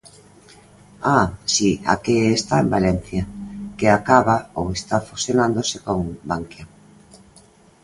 ¡Ah!, si, a que está en Valencia, que acaba ou está fusionándose con Bankia.